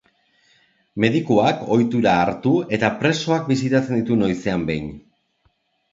Medikuak ohitura hartu eta presoak bisitatzen ditu noizean behin.